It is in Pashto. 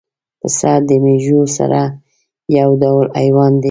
پسه د مېږو سره یو ډول حیوان دی.